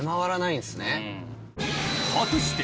果たして